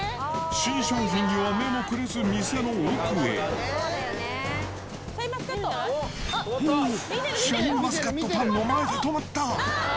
新商品には目もくれず、と、シャインマスカットパンの前で止まった。